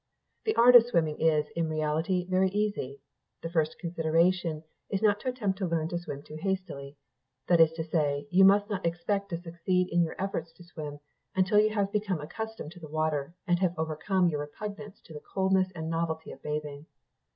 The art of swimming is, in reality, very easy. The first consideration is not to attempt to learn to swim too hastily. That is to say, you must not expect to succeed in your efforts to swim, until you have become accustomed to the water, and have overcome your repugnance to the coldness and novelty of bathing.